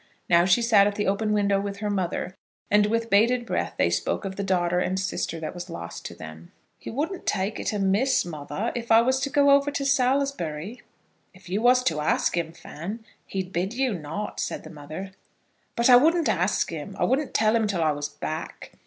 Now she sat at the open window with her mother, and with bated breath they spoke of the daughter and sister that was lost to them. "He wouldn't take it amiss, mother, if I was to go over to Salisbury?" "If you was to ask him, Fan, he'd bid you not," said the mother. "But I wouldn't ask him. I wouldn't tell him till I was back.